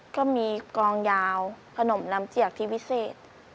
ก็มีกองยาวขนมน้ำเจียกที่วิเศษ